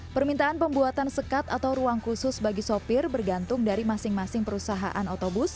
permintaan pembuatan sekat atau ruang khusus bagi sopir bergantung dari masing masing perusahaan otobus